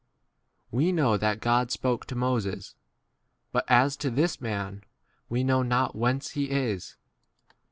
We * know that God spoke to Moses ; but [as to] this [man] we know not 30 whence he is.